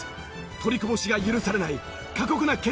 取りこぼしが許されない過酷な決勝戦。